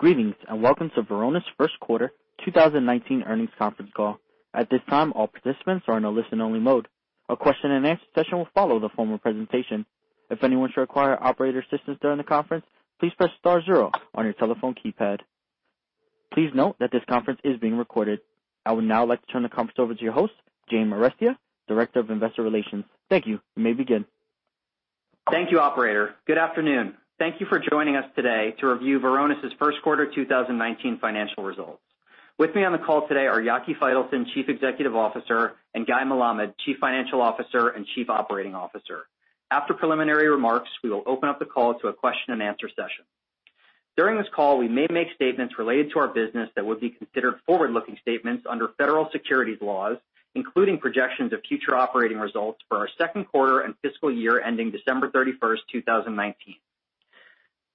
Greetings, and welcome to Varonis' First Quarter 2019 Earnings Conference Call. At this time, all participants are in a listen-only mode. A question and answer session will follow the formal presentation. If anyone should require operator assistance during the conference, please press star zero on your telephone keypad. Please note that this conference is being recorded. I would now like to turn the conference over to your host, Jamie Arestia, Director of Investor Relations. Thank you. You may begin. Thank you, operator. Good afternoon. Thank you for joining us today to review Varonis' First Quarter 2019 Financial Results. With me on the call today are Yaki Faitelson, Chief Executive Officer, and Guy Melamed, Chief Financial Officer and Chief Operating Officer. After preliminary remarks, we will open up the call to a question and answer session. During this call, we may make statements related to our business that would be considered forward-looking statements under federal securities laws, including projections of future operating results for our second quarter and fiscal year ending December 31st, 2019.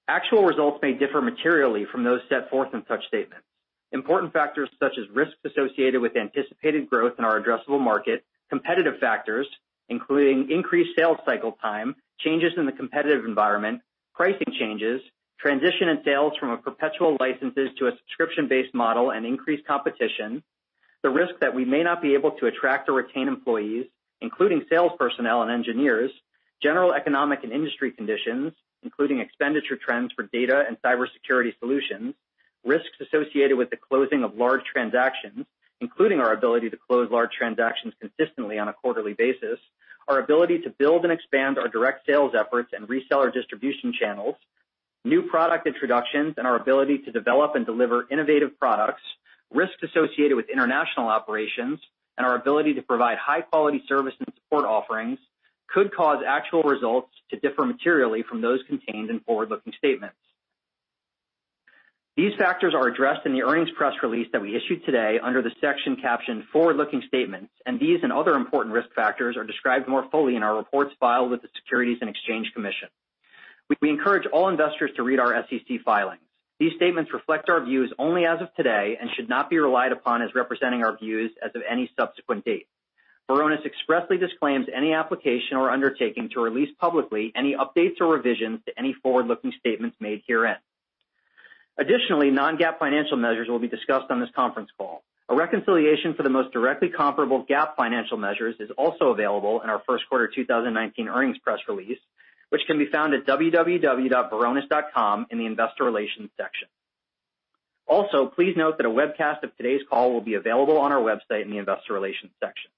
Actual results may differ materially from those set forth in such statements. Important factors such as risks associated with anticipated growth in our addressable market, competitive factors, including increased sales cycle time, changes in the competitive environment, pricing changes, transition in sales from a perpetual licenses to a subscription-based model and increased competition, the risk that we may not be able to attract or retain employees, including sales personnel and engineers, general economic and industry conditions, including expenditure trends for data and cybersecurity solutions, risks associated with the closing of large transactions, including our ability to close large transactions consistently on a quarterly basis, our ability to build and expand our direct sales efforts and reseller distribution channels, new product introductions, and our ability to develop and deliver innovative products, risks associated with international operations, and our ability to provide high-quality service and support offerings could cause actual results to differ materially from those contained in forward-looking statements. These factors are addressed in the earnings press release that we issued today under the section captioned Forward-looking Statements, and these and other important risk factors are described more fully in our reports filed with the Securities and Exchange Commission. We encourage all investors to read our SEC filings. These statements reflect our views only as of today and should not be relied upon as representing our views as of any subsequent date. Varonis expressly disclaims any application or undertaking to release publicly any updates or revisions to any forward-looking statements made herein. Additionally, non-GAAP financial measures will be discussed on this conference call. A reconciliation for the most directly comparable GAAP financial measures is also available in our first quarter 2019 earnings press release, which can be found at www.varonis.com in the investor relations section. Please note that a webcast of today's call will be available on our website in the investor relations section.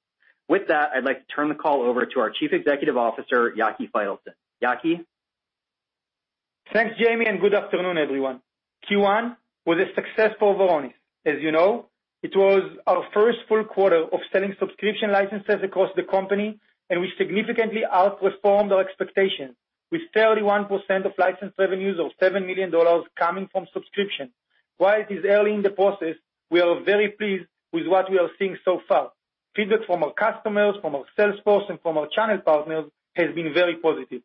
With that, I'd like to turn the call over to our Chief Executive Officer, Yaki Faitelson. Yaki? Thanks, Jamie, good afternoon, everyone. Q1 was a success for Varonis. As you know, it was our first full quarter of selling subscription licenses across the company. We significantly outperformed our expectations with 31% of license revenues of $7 million coming from subscription. While it is early in the process, we are very pleased with what we are seeing so far. Feedback from our customers, from our sales force, and from our channel partners has been very positive.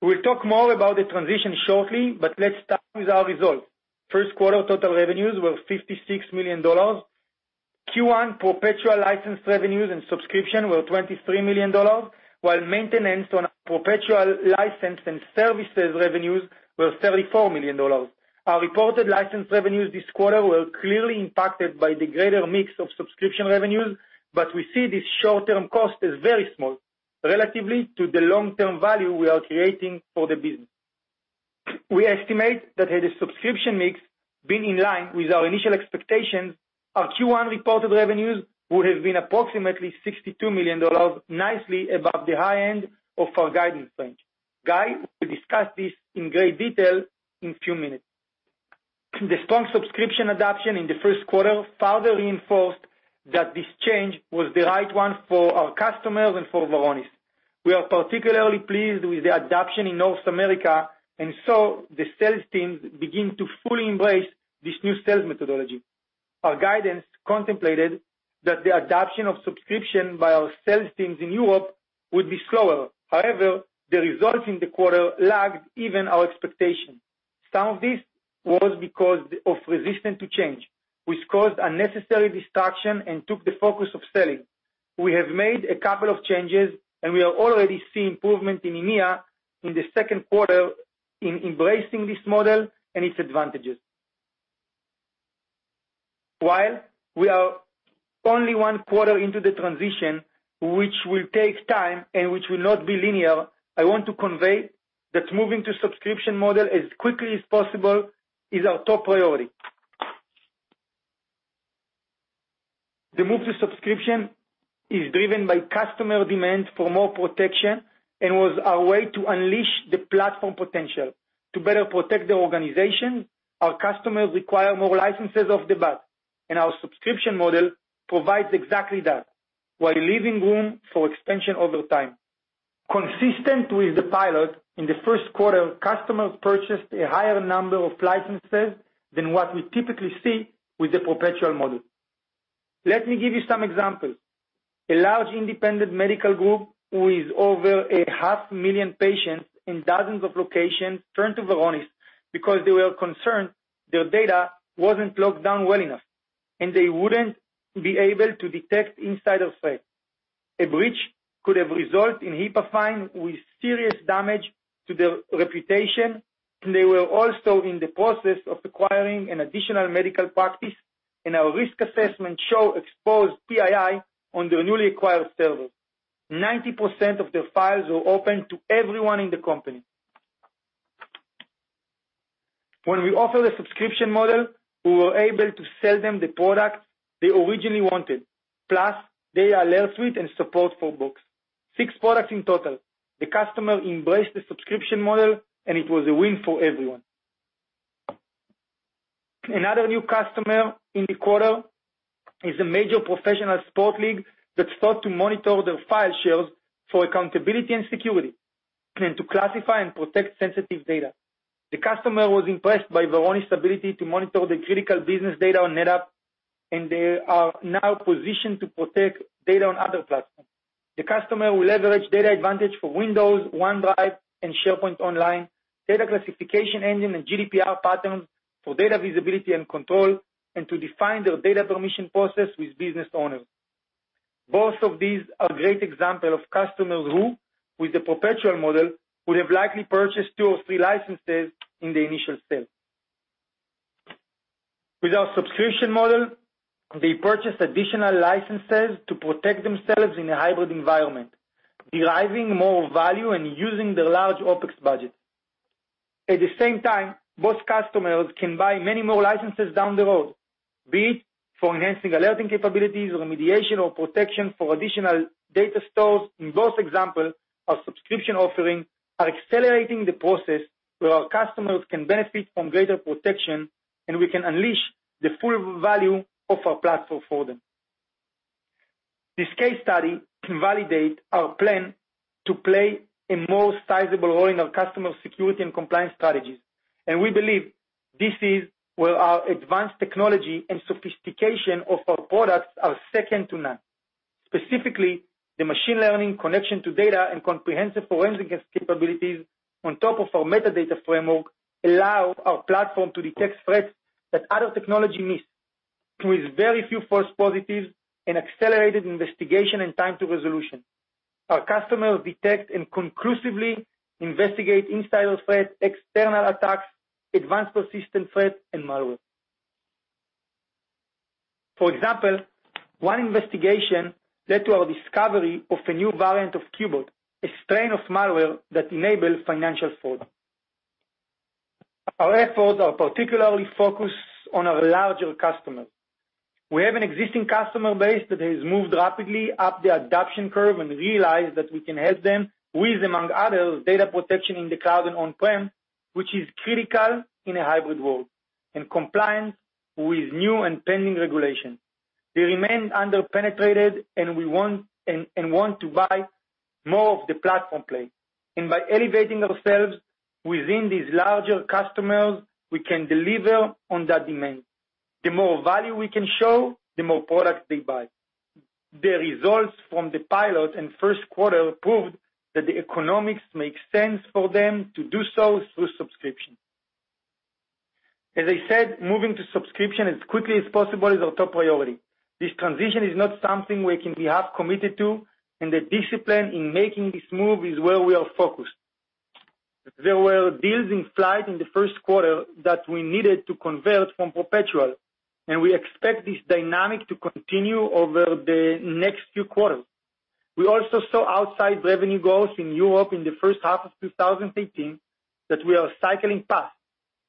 We'll talk more about the transition shortly. Let's start with our results. First quarter, total revenues were $56 million. Q1 perpetual license revenues and subscription were $23 million, while maintenance on our perpetual license and services revenues were $34 million. Our reported license revenues this quarter were clearly impacted by the greater mix of subscription revenues. We see this short-term cost is very small relatively to the long-term value we are creating for the business. We estimate that had the subscription mix been in line with our initial expectations, our Q1 reported revenues would have been approximately $62 million, nicely above the high end of our guidance range. Guy will discuss this in great detail in few minutes. The strong subscription adoption in the first quarter further reinforced that this change was the right one for our customers and for Varonis. We are particularly pleased with the adoption in North America. The sales teams begin to fully embrace this new sales methodology. Our guidance contemplated that the adoption of subscription by our sales teams in Europe would be slower. However, the results in the quarter lagged even our expectation. Some of this was because of resistance to change, which caused unnecessary distraction and took the focus of selling. We have made a couple of changes. We are already seeing improvement in EMEA in the second quarter in embracing this model and its advantages. While we are only one quarter into the transition, which will take time and which will not be linear, I want to convey that moving to subscription model as quickly as possible is our top priority. The move to subscription is driven by customer demand for more protection and was our way to unleash the platform potential. To better protect the organization, our customers require more licenses off the bat. Our subscription model provides exactly that while leaving room for expansion over time. Consistent with the pilot in the first quarter, customers purchased a higher number of licenses than what we typically see with the perpetual model. Let me give you some examples. A large independent medical group with over a half million patients in dozens of locations turned to Varonis because they were concerned their data wasn't locked down well enough, and they wouldn't be able to detect insider threat. A breach could have resulted in HIPAA fine with serious damage to their reputation, and they were also in the process of acquiring an additional medical practice, and our risk assessment show exposed PII on their newly acquired server. 90% of their files were open to everyone in the company. When we offer the subscription model, we were able to sell them the product they originally wanted. Plus, they are left with the support for books. Six products in total. The customer embraced the subscription model. It was a win for everyone. Another new customer in the quarter is a major professional sport league that sought to monitor their file shares for accountability and security, and to classify and protect sensitive data. The customer was impressed by Varonis' ability to monitor the critical business data on NetApp. They are now positioned to protect data on other platforms. The customer will leverage DatAdvantage for Windows, OneDrive, and SharePoint Online, Data Classification Engine, and GDPR patterns for data visibility and control, and to define their data permission process with business owners. Both of these are great example of customers who, with the perpetual model, would have likely purchased two or three licenses in the initial sale. With our subscription model, they purchased additional licenses to protect themselves in a hybrid environment, deriving more value and using their large OpEx budget. At the same time, both customers can buy many more licenses down the road, be it for enhancing alerting capabilities or remediation or protection for additional data stores. In both examples, our subscription offering are accelerating the process where our customers can benefit from greater protection. We can unleash the full value of our platform for them. This case study can validate our plan to play a more sizable role in our customer security and compliance strategies. We believe this is where our advanced technology and sophistication of our products are second to none. Specifically, the machine learning connection to data and comprehensive forensic capabilities on top of our metadata framework allow our platform to detect threats that other technology miss. With very few false positives and accelerated investigation and time to resolution, our customers detect and conclusively investigate insider threats, external attacks, advanced persistent threats, and malware. For example, one investigation led to our discovery of a new variant of Qbot, a strain of malware that enables financial fraud. Our efforts are particularly focused on our larger customers. We have an existing customer base that has moved rapidly up the adoption curve and realized that we can help them with, among others, data protection in the cloud and on-prem, which is critical in a hybrid world, and compliance with new and pending regulations. They remain under-penetrated and want to buy more of the platform play. By elevating ourselves within these larger customers, we can deliver on that demand. The more value we can show, the more products they buy. The results from the pilot and first quarter proved that the economics make sense for them to do so through subscription. As I said, moving to subscription as quickly as possible is our top priority. This transition is not something we can be half committed to, and the discipline in making this move is where we are focused. There were deals in flight in the first quarter that we needed to convert from perpetual, and we expect this dynamic to continue over the next few quarters. We also saw outside revenue growth in Europe in the first half of 2018 that we are cycling past.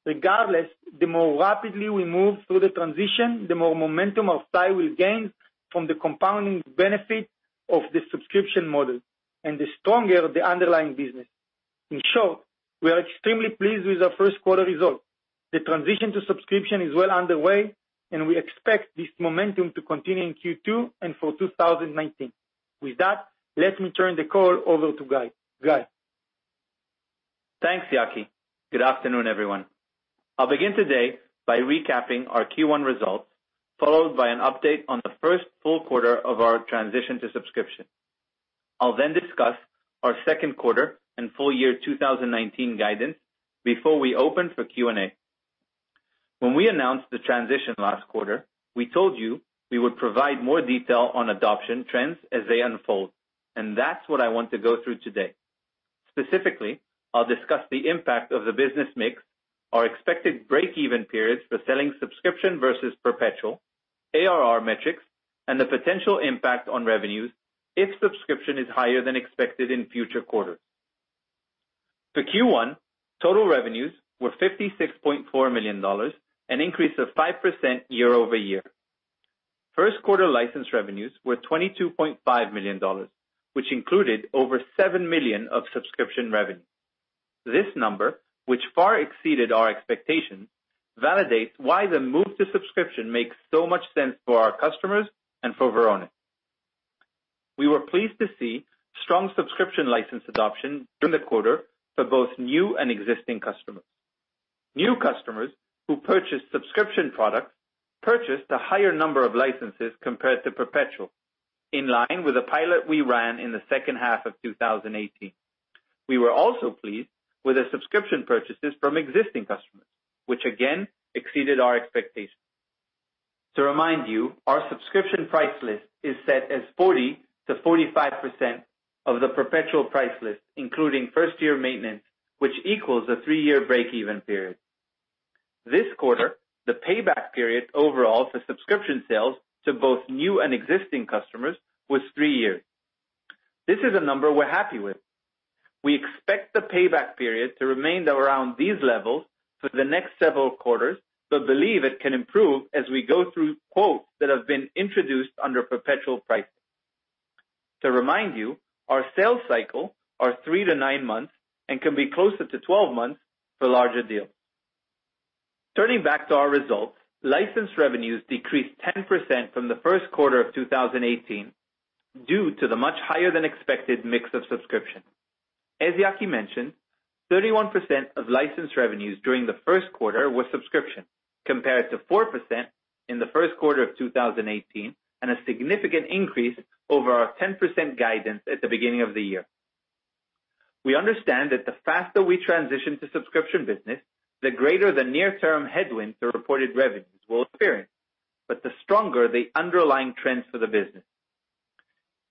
Regardless, the more rapidly we move through the transition, the more momentum our style will gain from the compounding benefit of the subscription model, and the stronger the underlying business. In short, we are extremely pleased with our first quarter results. The transition to subscription is well underway, and we expect this momentum to continue in Q2 and for 2019. With that, let me turn the call over to Guy. Guy? Thanks, Yaki. Good afternoon, everyone. I'll begin today by recapping our Q1 results, followed by an update on the first full quarter of our transition to subscription. I'll then discuss our second quarter and full year 2019 guidance before we open for Q&A. When we announced the transition last quarter, we told you we would provide more detail on adoption trends as they unfold, and that's what I want to go through today. Specifically, I'll discuss the impact of the business mix, our expected break-even periods for selling subscription versus perpetual, ARR metrics, and the potential impact on revenues if subscription is higher than expected in future quarters. For Q1, total revenues were $56.4 million, an increase of 5% year-over-year. First quarter license revenues were $22.5 million, which included over $7 million of subscription revenue. This number, which far exceeded our expectations, validates why the move to subscription makes so much sense for our customers and for Varonis. We were pleased to see strong subscription license adoption during the quarter for both new and existing customers. New customers who purchased subscription products purchased a higher number of licenses compared to perpetual, in line with a pilot we ran in the second half of 2018. We were also pleased with the subscription purchases from existing customers, which, again, exceeded our expectations. To remind you, our subscription price list is set as 40%-45% of the perpetual price list, including first-year maintenance, which equals a three-year break-even period. This quarter, the payback period overall for subscription sales to both new and existing customers was three years. This is a number we're happy with. We expect the payback period to remain around these levels for the next several quarters, but believe it can improve as we go through quotes that have been introduced under perpetual pricing. To remind you, our sales cycles are three to nine months and can be closer to 12 months for larger deals. Turning back to our results, license revenues decreased 10% from the first quarter of 2018 due to the much higher-than-expected mix of subscription. As Yaki mentioned, 31% of license revenues during the first quarter were subscription, compared to 4% in the first quarter of 2018, and a significant increase over our 10% guidance at the beginning of the year. We understand that the faster we transition to subscription business, the greater the near-term headwind the reported revenues will experience, but the stronger the underlying trends for the business.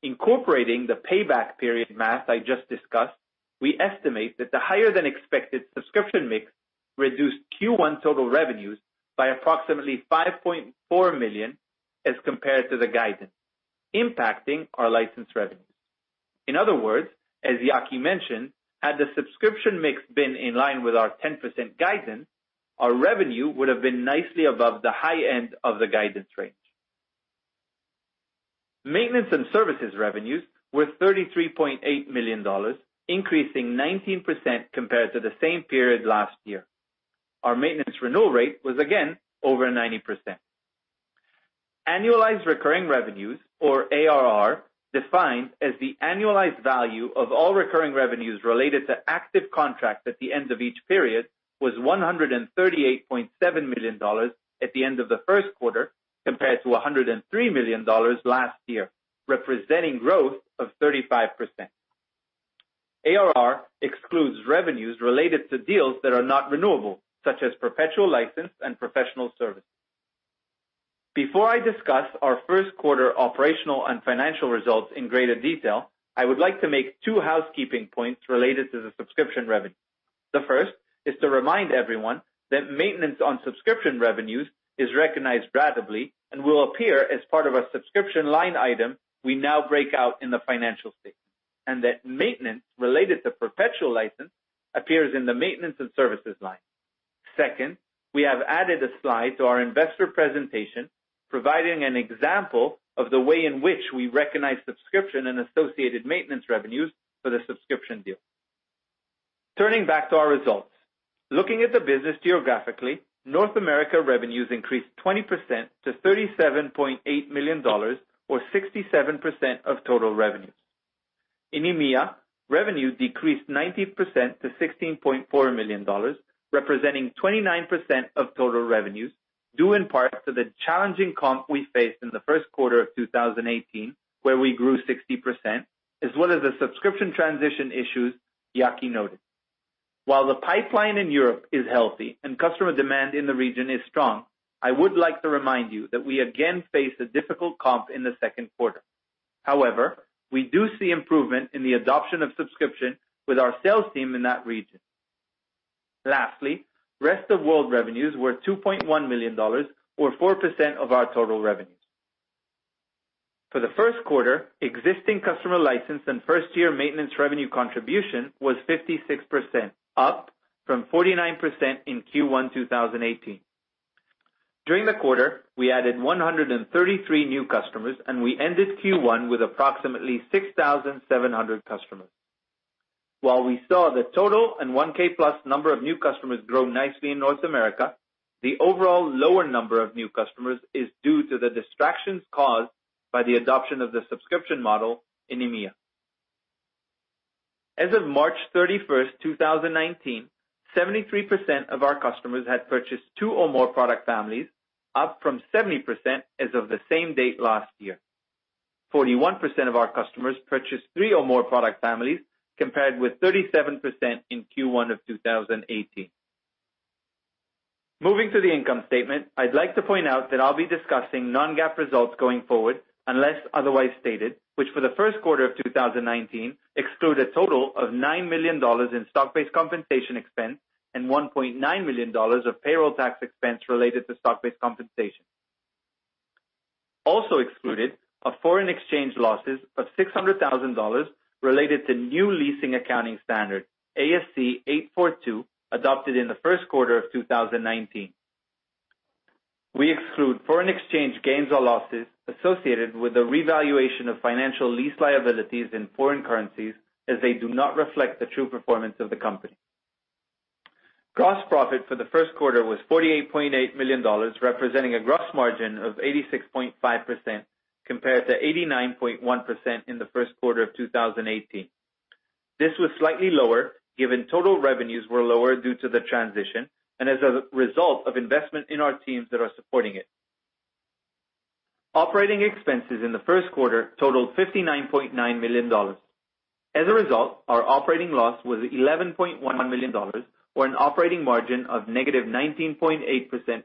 Incorporating the payback period math I just discussed, we estimate that the higher-than-expected subscription mix reduced Q1 total revenues by approximately $5.4 million as compared to the guidance, impacting our license revenues. In other words, as Yaki mentioned, had the subscription mix been in line with our 10% guidance, our revenue would have been nicely above the high end of the guidance range. Maintenance and services revenues were $33.8 million, increasing 19% compared to the same period last year. Our maintenance renewal rate was again over 90%. Annualized recurring revenues, or ARR, defined as the annualized value of all recurring revenues related to active contracts at the end of each period, was $138.7 million at the end of the first quarter, compared to $103 million last year, representing growth of 35%. ARR excludes revenues related to deals that are not renewable, such as perpetual license and professional services. Before I discuss our first quarter operational and financial results in greater detail, I would like to make two housekeeping points related to the subscription revenue. The first is to remind everyone that maintenance on subscription revenues is recognized ratably and will appear as part of a subscription line item we now break out in the financial statement, and that maintenance related to perpetual license appears in the maintenance and services line. Second, we have added a slide to our investor presentation, providing an example of the way in which we recognize subscription and associated maintenance revenues for the subscription deal. Turning back to our results. Looking at the business geographically, North America revenues increased 20% to $37.8 million, or 67% of total revenues. In EMEA, revenue decreased 19% to $16.4 million, representing 29% of total revenues, due in part to the challenging comp we faced in the first quarter of 2018, where we grew 60%, as well as the subscription transition issues Yaki noted. While the pipeline in Europe is healthy and customer demand in the region is strong, I would like to remind you that we again face a difficult comp in the second quarter. However, we do see improvement in the adoption of subscription with our sales team in that region. Lastly, rest of world revenues were $2.1 million, or 4% of our total revenues. For the first quarter, existing customer license and first-year maintenance revenue contribution was 56%, up from 49% in Q1 2018. During the quarter, we added 133 new customers, and we ended Q1 with approximately 6,700 customers. While we saw the total and 1K plus number of new customers grow nicely in North America, the overall lower number of new customers is due to the distractions caused by the adoption of the subscription model in EMEA. As of March 31st, 2019, 73% of our customers had purchased two or more product families, up from 70% as of the same date last year. 41% of our customers purchased three or more product families, compared with 37% in Q1 of 2018. Moving to the income statement, I'd like to point out that I'll be discussing non-GAAP results going forward, unless otherwise stated, which for the first quarter of 2019 exclude a total of $9 million in stock-based compensation expense and $1.9 million of payroll tax expense related to stock-based compensation. Also excluded are foreign exchange losses of $600,000 related to new leasing accounting standard, ASC 842, adopted in the first quarter of 2019. We exclude foreign exchange gains or losses associated with the revaluation of financial lease liabilities in foreign currencies, as they do not reflect the true performance of the company. Gross profit for the first quarter was $48.8 million, representing a gross margin of 86.5%, compared to 89.1% in the first quarter of 2018. This was slightly lower given total revenues were lower due to the transition and as a result of investment in our teams that are supporting it. Operating expenses in the first quarter totaled $59.9 million. As a result, our operating loss was $11.1 million, or an operating margin of -19.8%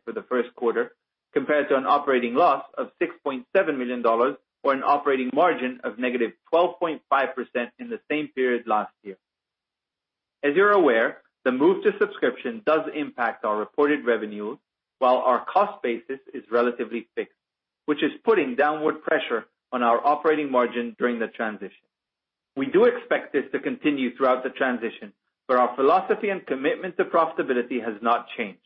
for the first quarter, compared to an operating loss of $6.7 million, or an operating margin of -12.5% in the same period last year. As you're aware, the move to subscription does impact our reported revenues while our cost basis is relatively fixed, which is putting downward pressure on our operating margin during the transition. We do expect this to continue throughout the transition, Our philosophy and commitment to profitability has not changed.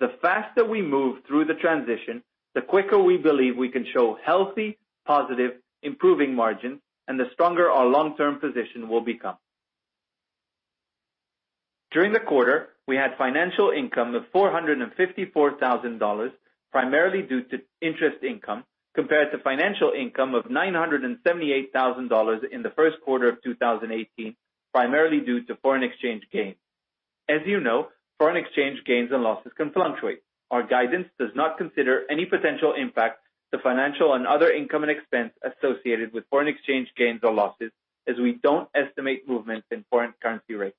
The faster we move through the transition, the quicker we believe we can show healthy, positive, improving margins, and the stronger our long-term position will become. During the quarter, we had financial income of $454,000, primarily due to interest income, compared to financial income of $978,000 in the first quarter of 2018, primarily due to foreign exchange gains. As you know, foreign exchange gains and losses can fluctuate. Our guidance does not consider any potential impact to financial and other income and expense associated with foreign exchange gains or losses, as we don't estimate movements in foreign currency rates.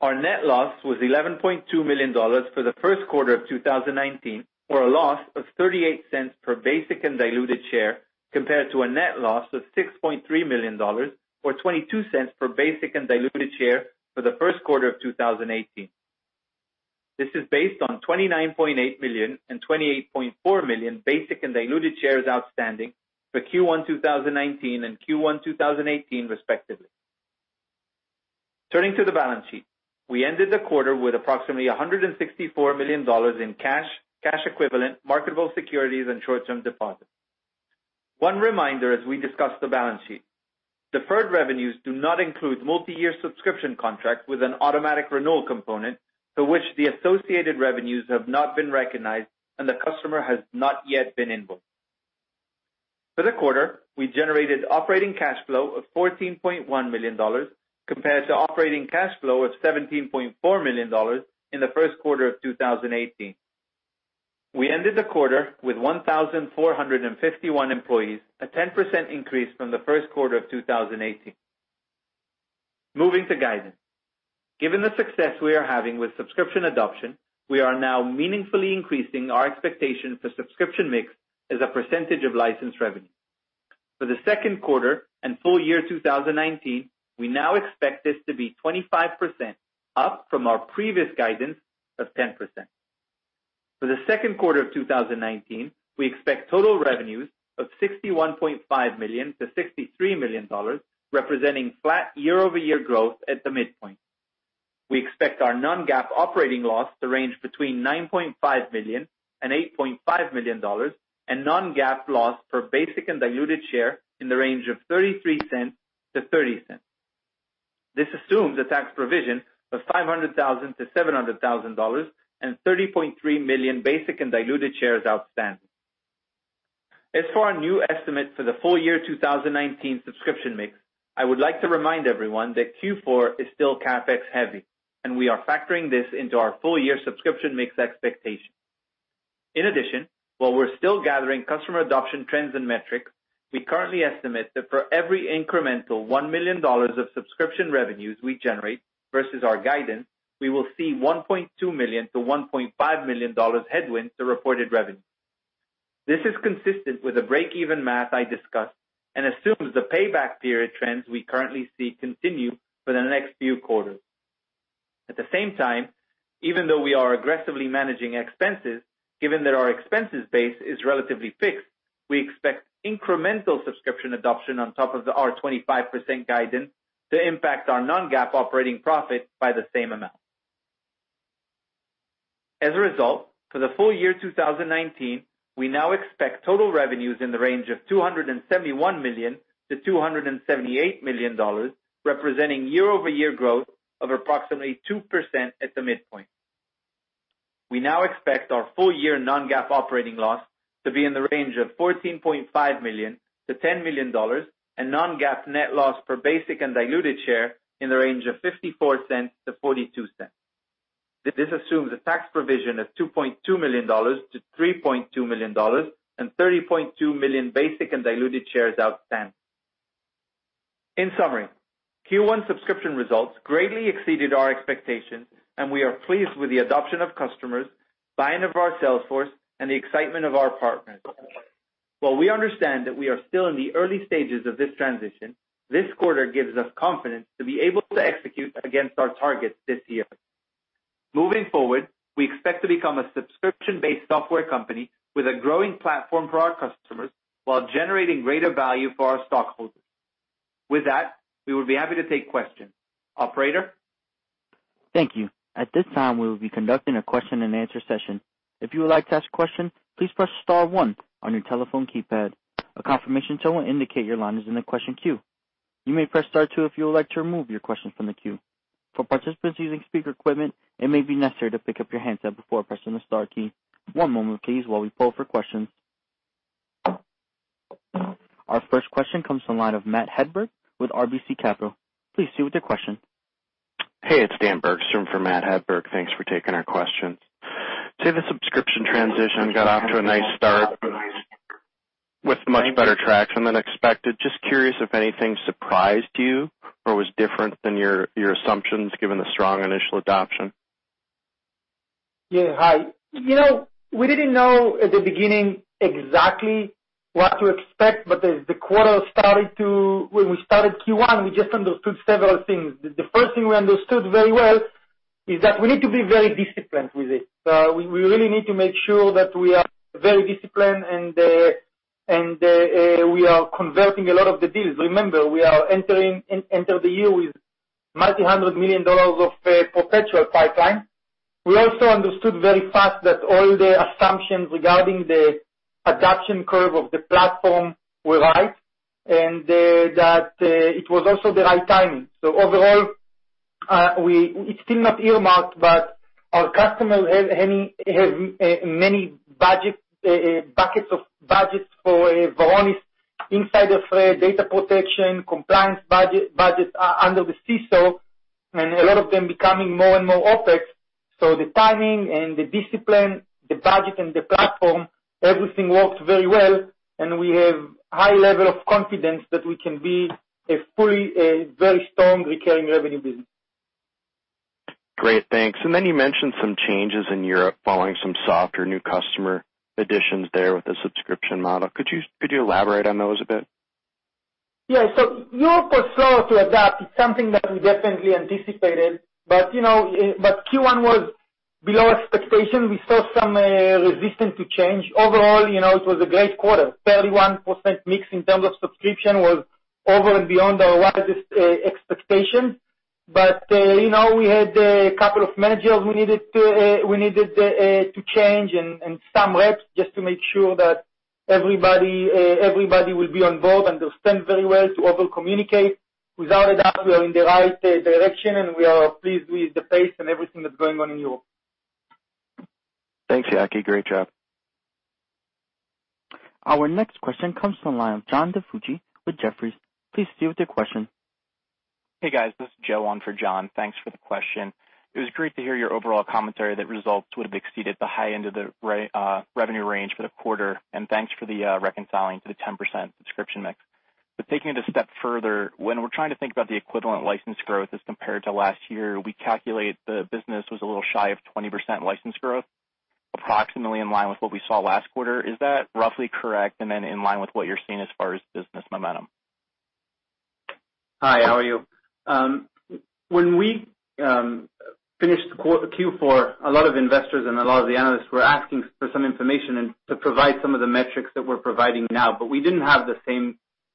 Our net loss was $11.2 million for the first quarter of 2019, or a loss of $0.38 per basic and diluted share, compared to a net loss of $6.3 million or $0.22 per basic and diluted share for the first quarter of 2018. This is based on 29.8 million and 28.4 million basic and diluted shares outstanding for Q1 2019 and Q1 2018 respectively. Turning to the balance sheet. We ended the quarter with approximately $164 million in cash equivalent marketable securities, and short-term deposits. One reminder as we discuss the balance sheet. Deferred revenues do not include multi-year subscription contracts with an automatic renewal component to which the associated revenues have not been recognized and the customer has not yet been invoiced. For the quarter, we generated operating cash flow of $14.1 million, compared to operating cash flow of $17.4 million in the first quarter of 2018. We ended the quarter with 1,451 employees, a 10% increase from the first quarter of 2018. Moving to guidance. Given the success we are having with subscription adoption, we are now meaningfully increasing our expectation for subscription mix as a percentage of licensed revenue. For the second quarter and full year 2019, we now expect this to be 25%, up from our previous guidance of 10%. For the second quarter of 2019, we expect total revenues of $61.5 million-$63 million, representing flat year-over-year growth at the midpoint. We expect our non-GAAP operating loss to range between $9.5 million and $8.5 million, and non-GAAP loss per basic and diluted share in the range of $0.33-$0.30. This assumes a tax provision of $500,000-$700,000 and 30.3 million basic and diluted shares outstanding. For our new estimate for the full year 2019 subscription mix, I would like to remind everyone that Q4 is still CapEx heavy, and we are factoring this into our full-year subscription mix expectation. In addition, while we're still gathering customer adoption trends and metrics, we currently estimate that for every incremental $1 million of subscription revenues we generate versus our guidance, we will see $1.2 million-$1.5 million headwinds to reported revenues. This is consistent with the break-even math I discussed and assumes the payback period trends we currently see continue for the next few quarters. At the same time, even though we are aggressively managing expenses, given that our expenses base is relatively fixed, we expect incremental subscription adoption on top of our 25% guidance to impact our non-GAAP operating profit by the same amount. As a result, for the full year 2019, we now expect total revenues in the range of $271 million-$278 million, representing year-over-year growth of approximately 2% at the midpoint. We now expect our full-year non-GAAP operating loss to be in the range of $14.5 million-$10 million and non-GAAP net loss per basic and diluted share in the range of $0.54-$0.42. This assumes a tax provision of $2.2 million-$3.2 million and 30.2 million basic and diluted shares outstanding. In summary, Q1 subscription results greatly exceeded our expectations. We are pleased with the adoption of customers, buy-in of our sales force, and the excitement of our partners. While we understand that we are still in the early stages of this transition, this quarter gives us confidence to be able to execute against our targets this year. Moving forward, we expect to become a subscription-based software company with a growing platform for our customers while generating greater value for our stockholders. With that, we will be happy to take questions. Operator? Thank you. At this time, we will be conducting a question-and-answer session. If you would like to ask a question, please press star one on your telephone keypad. A confirmation tone will indicate your line is in the question queue. You may press star two if you would like to remove your question from the queue. For participants using speaker equipment, it may be necessary to pick up your handset before pressing the star key. One moment please while we poll for questions. Our first question comes from the line of Matt Hedberg with RBC Capital. Please proceed with your question. Hey, it's Dan Bergstrom for Matt Hedberg, thanks for taking our questions. The subscription transition got off to a nice start with much better traction than expected. Just curious if anything surprised you or was different than your assumptions given the strong initial adoption. Yeah. Hi. We didn't know at the beginning exactly what to expect. When we started Q1, we just understood several things. The first thing we understood very well is that we need to be very disciplined with it. We really need to make sure that we are very disciplined and we are converting a lot of the deals. Remember, we entered the year with multi-hundred million dollars of perpetual pipeline. We also understood very fast that all the assumptions regarding the adoption curve of the platform were right, and that it was also the right timing. Overall, it's still not earmarked, but our customers have many buckets of budgets for Varonis insider threat, data protection, compliance budgets, under the CISO, and a lot of them becoming more and more OpEx. The timing and the discipline, the budget and the platform, everything works very well, and we have high level of confidence that we can be a fully, very strong recurring revenue business. Great, thanks. Then you mentioned some changes in Europe following some softer new customer additions there with the subscription model. Could you elaborate on those a bit? Yeah. Europe was slow to adapt. It's something that we definitely anticipated. Q1 was below expectation. We saw some resistance to change. Overall, it was a great quarter. 31% mix in terms of subscription was over and beyond our widest expectation. We had a couple of managers we needed to change and some reps just to make sure that everybody will be on board, understand very well to over-communicate. Without a doubt, we are in the right direction, and we are pleased with the pace and everything that's going on in Europe. Thanks, Yaki. Great job. Our next question comes from the line of John DiFucci with Jefferies. Please proceed with your question. Hey, guys. This is Joe on for John. Thanks for the question. It was great to hear your overall commentary that results would have exceeded the high end of the revenue range for the quarter, and thanks for the reconciling to the 10% subscription mix. Taking it a step further, when we're trying to think about the equivalent license growth as compared to last year, we calculate the business was a little shy of 20% license growth, approximately in line with what we saw last quarter. Is that roughly correct? In line with what you're seeing as far as business momentum. Hi, how are you? When we finished Q4, a lot of investors and a lot of the analysts were asking for some information and to provide some of the metrics that we're providing now. We didn't have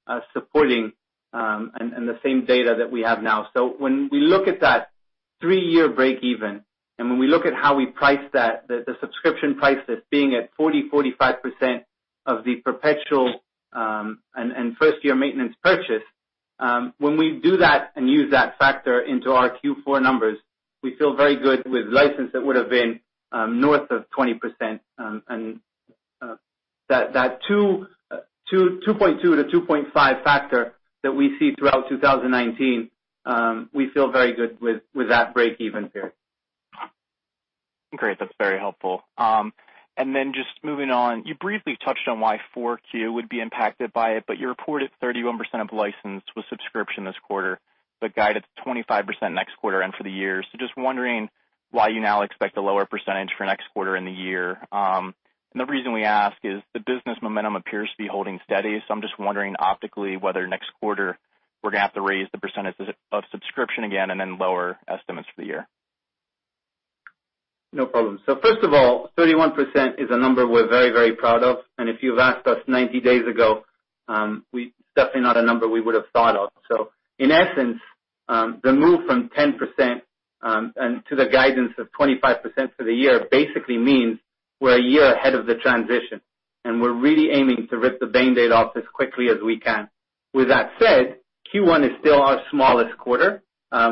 the same supporting and the same data that we have now. When we look at that three-year break-even, and when we look at how we price that, the subscription price that's being at 40%-45% of the perpetual, and first year maintenance purchase, when we do that and use that factor into our Q4 numbers, we feel very good with license that would've been north of 20%, and that 2.2-2.5 factor that we see throughout 2019, we feel very good with that break-even period. Great. That's very helpful. Just moving on, you briefly touched on why 4Q would be impacted by it, but you reported 31% of license was subscription this quarter, guided 25% next quarter and for the year. Just wondering why you now expect a lower percentage for next quarter and the year. The reason we ask is the business momentum appears to be holding steady, so I'm just wondering optically whether next quarter we're going to have to raise the percentages of subscription again and then lower estimates for the year. No problem. First of all, 31% is a number we're very proud of. If you'd asked us 90 days ago, it's definitely not a number we would've thought of. In essence, the move from 10% to the guidance of 25% for the year basically means we're a year ahead of the transition, and we're really aiming to rip the Band-Aid off as quickly as we can. With that said, Q1 is still our smallest quarter.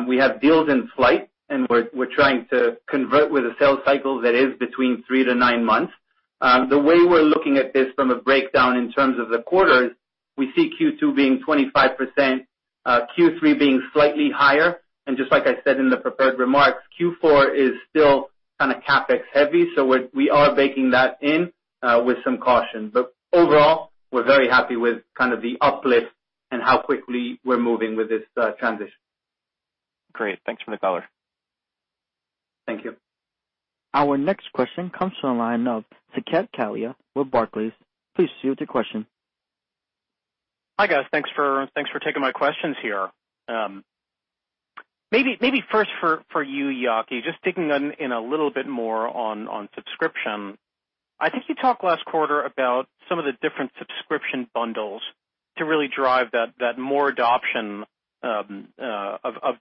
We have deals in flight, and we're trying to convert with a sales cycle that is between three to nine months. The way we're looking at this from a breakdown in terms of the quarters, we see Q2 being 25%, Q3 being slightly higher, and just like I said in the prepared remarks, Q4 is still kind of CapEx heavy, so we are baking that in with some caution. Overall, we're very happy with kind of the uplift and how quickly we're moving with this transition. Great. Thanks for the color. Thank you. Our next question comes from the line of Saket Kalia with Barclays. Please proceed with your question. Hi, guys. Thanks for taking my questions here. Maybe first for you, Yaki, just digging in a little bit more on subscription. I think you talked last quarter about some of the different subscription bundles to really drive that more adoption of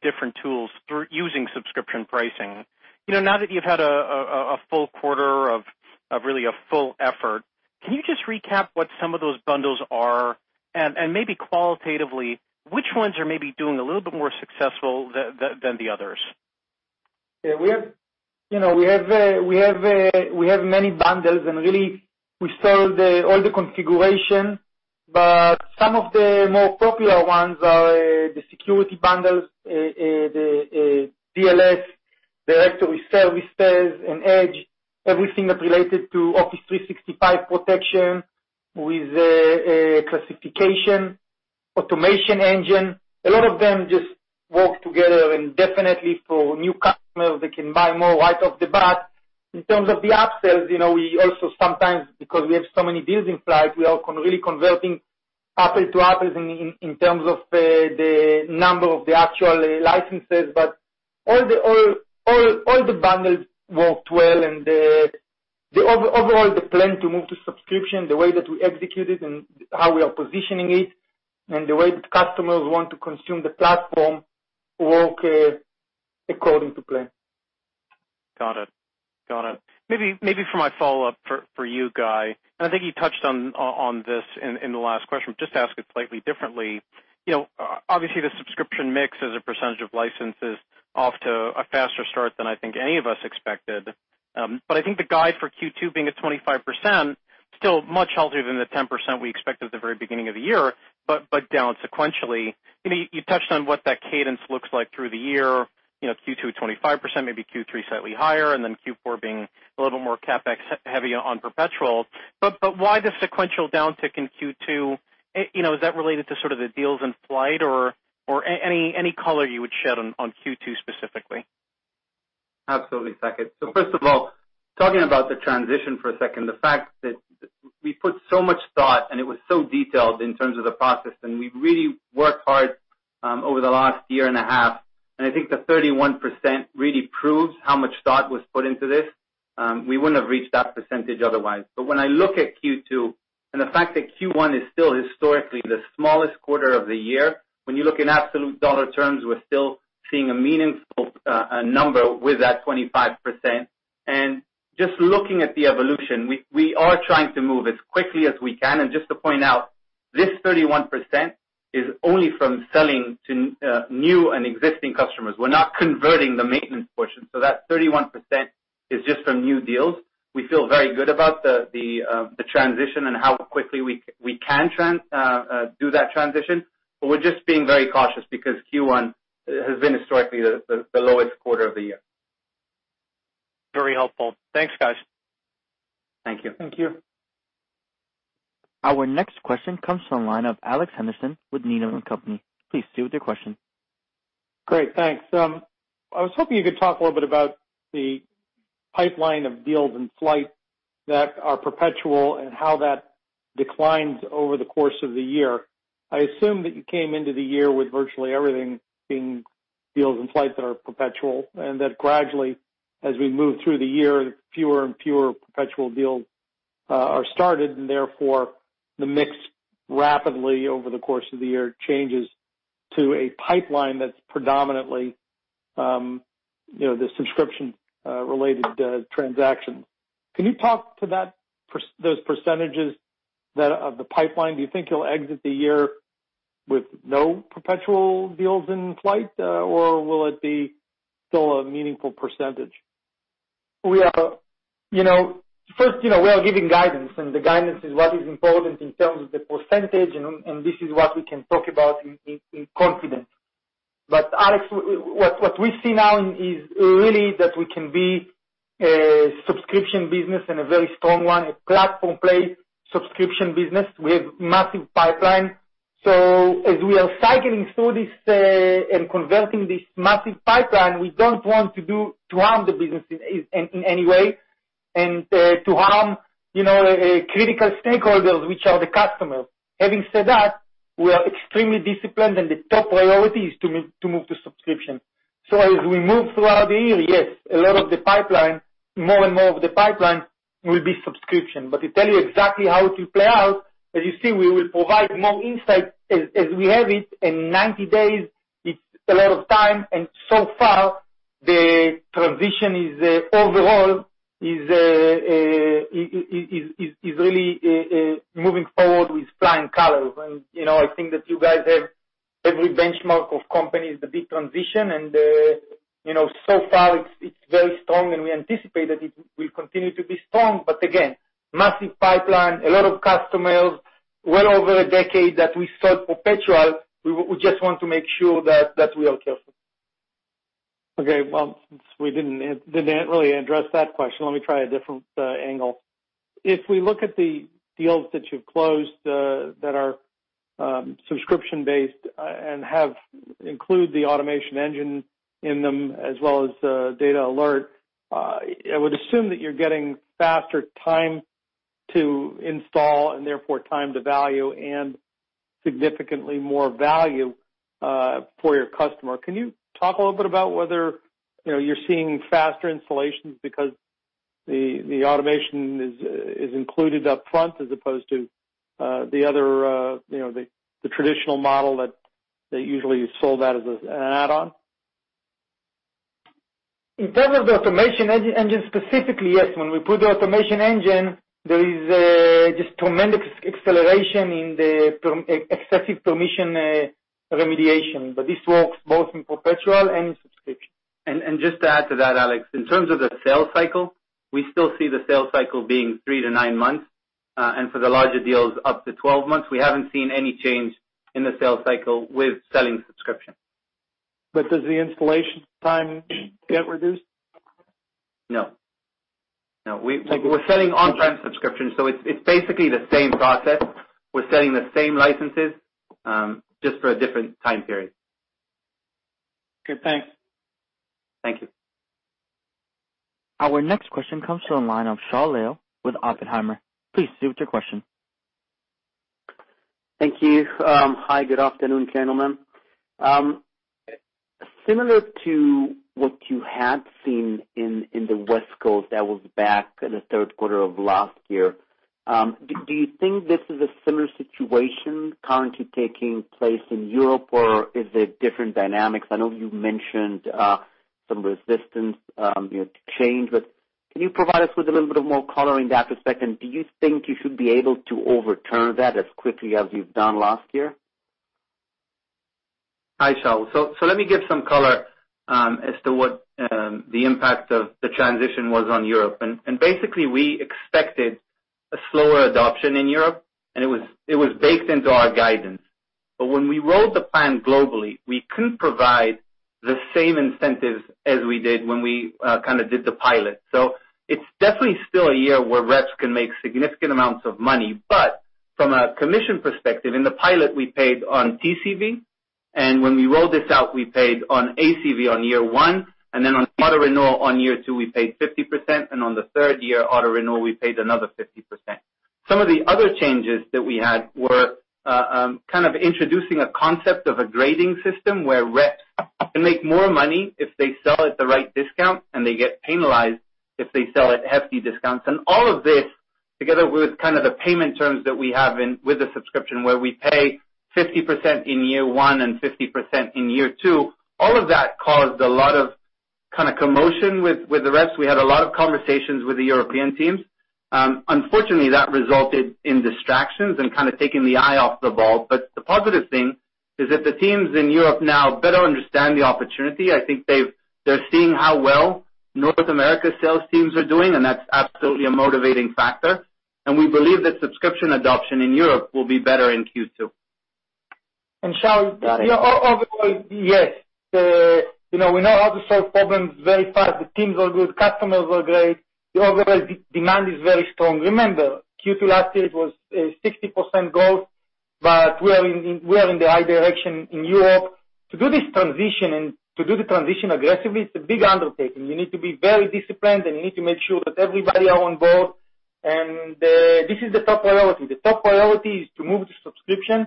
different tools through using subscription pricing. Now that you've had a full quarter of really a full effort, can you just recap what some of those bundles are and maybe qualitatively, which ones are maybe doing a little bit more successful than the others? Yeah. We have many bundles and really, we sell all the configuration, but some of the more popular ones are the security bundles, the DLS, Directory Services and Edge, everything that's related to Office 365 protection with classification, Automation Engine. A lot of them just work together and definitely for new customers, they can buy more right off the bat. In terms of the upsells, we also sometimes, because we have so many deals in flight, we are really converting apples to apples in terms of the number of the actual licenses. All the bundles worked well and overall, the plan to move to subscription, the way that we execute it and how we are positioning it, and the way that customers want to consume the platform, work according to plan. Got it. Maybe for my follow-up for you, Guy. I think you touched on this in the last question, just to ask it slightly differently. Obviously, the subscription mix as a percentage of licenses off to a faster start than I think any of us expected. I think the guide for Q2 being at 25%, still much healthier than the 10% we expected at the very beginning of the year, down sequentially. You touched on what that cadence looks like through the year, Q2 at 25%, maybe Q3 slightly higher, and then Q4 being a little more CapEx heavy on perpetual. Why the sequential downtick in Q2? Is that related to sort of the deals in flight or any color you would shed on Q2 specifically? Absolutely, Saket. First of all, talking about the transition for a second, the fact that we put so much thought and it was so detailed in terms of the process, and we really worked hard, over the last year and a half, I think the 31% really proves how much thought was put into this. We wouldn't have reached that percentage otherwise. When I look at Q2, the fact that Q1 is still historically the smallest quarter of the year, when you look in absolute dollar terms, we're still seeing a meaningful number with that 25%. Just looking at the evolution, we are trying to move as quickly as we can. Just to point out, this 31% is only from selling to new and existing customers. We're not converting the maintenance portion. That 31% is just from new deals. We feel very good about the transition and how quickly we can do that transition, but we're just being very cautious because Q1 has been historically the lowest quarter of the year. Very helpful. Thanks, guys. Thank you. Thank you. Our next question comes from the line of Alex Henderson with Needham & Company. Please proceed with your question. Great, thanks. I was hoping you could talk a little bit about the pipeline of deals in flight that are perpetual and how that declines over the course of the year. I assume that you came into the year with virtually everything being deals in flight that are perpetual, and that gradually, as we move through the year, fewer and fewer perpetual deals are started, and therefore, the mix rapidly, over the course of the year, changes to a pipeline that's predominantly the subscription-related transactions. Can you talk to those percentages of the pipeline? Do you think you'll exit the year with no perpetual deals in flight? Will it be still a meaningful percentage? First, we are giving guidance, and the guidance is what is important in terms of the percentage, and this is what we can talk about in confidence. Alex, what we see now is really that we can be a subscription business and a very strong one, a platform play subscription business. We have massive pipeline. As we are cycling through this, and converting this massive pipeline, we don't want to harm the business in any way, and to harm critical stakeholders, which are the customers. Having said that, we are extremely disciplined, and the top priority is to move to subscription. As we move throughout the year, yes, a lot of the pipeline, more and more of the pipeline will be subscription. To tell you exactly how it will play out, as you see, we will provide more insight as we have it in 90 days. It's a lot of time, and so far, the transition is overall, is really moving forward with flying colors. I think that you guys have every benchmark of companies, the big transition, and so far it's very strong, and we anticipate that it will continue to be strong. Again, massive pipeline, a lot of customers, well over a decade that we sold perpetual. We just want to make sure that we are careful. Well, since we didn't really address that question, let me try a different angle. If we look at the deals that you've closed, that are subscription-based and include the Automation Engine in them as well as DatAlert, I would assume that you're getting faster time to install and therefore time to value and significantly more value for your customer. Can you talk a little bit about whether you're seeing faster installations because the automation is included up front as opposed to the traditional model that usually is sold out as an add-on? In terms of the Automation Engine specifically, yes. When we put the Automation Engine, there is just tremendous acceleration in the excessive permission-remediation. This works both in perpetual and in subscription. Just to add to that, Alex, in terms of the sales cycle, we still see the sales cycle being three to nine months, and for the larger deals, up to 12 months. We haven't seen any change in the sales cycle with selling subscription. Does the installation time get reduced? No. We're selling on-prem subscriptions, it's basically the same process. We're selling the same licenses, just for a different time period. Okay, thanks. Thank you. Our next question comes from the line of Shaul Eyal with Oppenheimer. Please proceed with your question. Thank you. Hi. Good afternoon, gentlemen. Similar to what you had seen in the West Coast, that was back in the third quarter of last year, do you think this is a similar situation currently taking place in Europe, or is it different dynamics? I know you mentioned some resistance to change, can you provide us with a little bit more color in that respect? Do you think you should be able to overturn that as quickly as you've done last year? Hi, Shaul. Let me give some color as to what the impact of the transition was on Europe. Basically, we expected a slower adoption in Europe, and it was baked into our guidance. When we rolled the plan globally, we couldn't provide the same incentives as we did when we kind of did the pilot. It's definitely still a year where reps can make significant amounts of money. From a commission perspective, in the pilot, we paid on TCV, and when we rolled this out, we paid on ACV on year one, and then on auto renewal on year two, we paid 50%, and on the third year auto renewal, we paid another 50%. Some of the other changes that we had were kind of introducing a concept of a grading system where reps can make more money if they sell at the right discount, and they get penalized if they sell at hefty discounts. All of this, together with kind of the payment terms that we have with the subscription, where we pay 50% in year one and 50% in year two, all of that caused a lot of kind of commotion with the reps. We had a lot of conversations with the European teams. Unfortunately, that resulted in distractions and kind of taking the eye off the ball. The positive thing is that the teams in Europe now better understand the opportunity. I think they're seeing how well North America sales teams are doing, and that's absolutely a motivating factor. We believe that subscription adoption in Europe will be better in Q2. Shaul, yeah, overall, yes. We know how to solve problems very fast. The teams are good, customers are great. Overall, demand is very strong. Remember, Q2 last year was 60% growth. We are in the high direction in Europe. To do this transition, to do the transition aggressively, it's a big undertaking. You need to be very disciplined, you need to make sure that everybody are on board. This is the top priority. The top priority is to move to subscription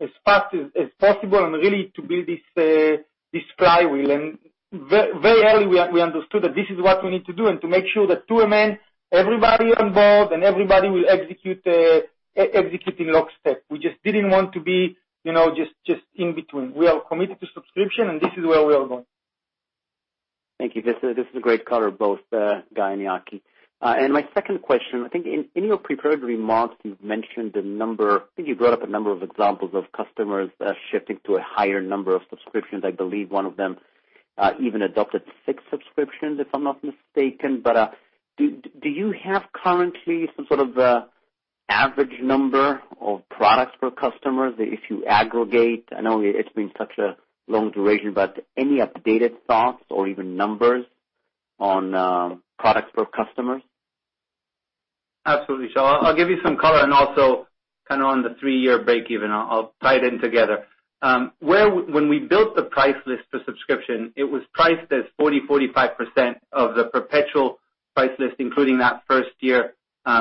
as fast as possible and really to build this flywheel. Very early, we understood that this is what we need to do, to make sure that to a man, everybody on board and everybody will execute in lockstep. We just didn't want to be just in between. We are committed to subscription, this is where we are going. Thank you. This is a great color, both Guy and Yaki. My second question, I think in your prepared remarks, you've mentioned a number of examples of customers shifting to a higher number of subscriptions. I believe one of them even adopted six subscriptions, if I'm not mistaken. Do you have currently some sort of average number of products per customer if you aggregate? I know it's been such a long duration, but any updated thoughts or even numbers on products per customers? Absolutely, Shaul. I'll give you some color and also kind of on the three-year breakeven, I'll tie it in together. When we built the price list for subscription, it was priced as 40%, 45% of the perpetual price list, including that first-year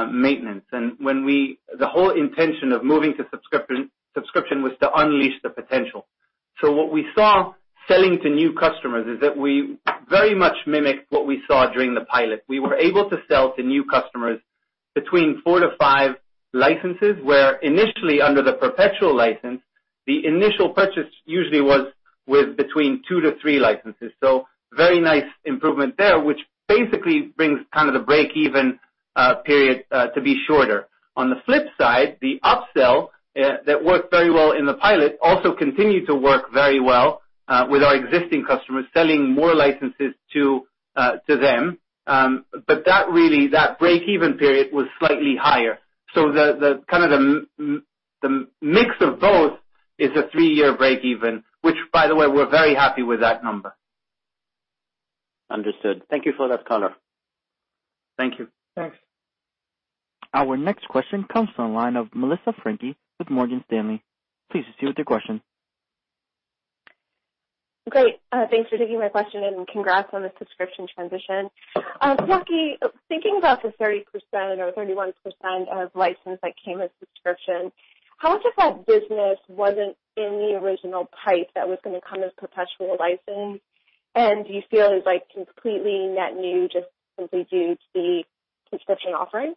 maintenance. The whole intention of moving to subscription was to unleash the potential. What we saw selling to new customers is that we very much mimic what we saw during the pilot. We were able to sell to new customers between four to five licenses. Where initially under the perpetual license, the initial purchase usually was between two to three licenses. Very nice improvement there, which basically brings kind of the breakeven period to be shorter. On the flip side, the upsell that worked very well in the pilot also continued to work very well with our existing customers, selling more licenses to them. That really, that breakeven period was slightly higher. Kind of the mix of both is a three-year breakeven, which by the way, we're very happy with that number. Understood. Thank you for that color. Thank you. Thanks. Our next question comes from the line of Melissa Franchi with Morgan Stanley. Please proceed with your question. Great. Thanks for taking my question and congrats on the subscription transition. Yaki, thinking about the 30% or 31% of license that came as subscription, how much of that business wasn't in the original pipe that was going to come as perpetual license? Do you feel is like completely net new just simply due to the subscription offering?